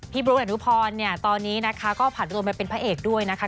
พี่บุ๊คและนุพรตอนนี้นะคะก็ผ่านตัวมาเป็นพระเอกด้วยนะคะ